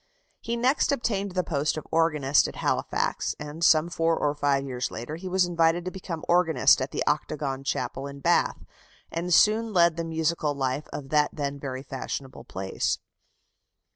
He next obtained the post of organist at Halifax; and some four or five years later he was invited to become organist at the Octagon Chapel in Bath, and soon led the musical life of that then very fashionable place.